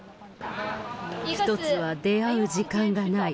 １つは出会う時間がない。